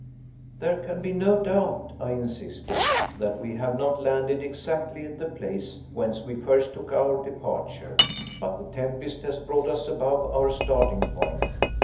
"There can be no doubt," I insisted, "that we have not landed exactly at the place whence we first took our departure; but the tempest has brought us above our starting point.